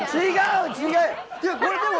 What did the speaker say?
違う違う！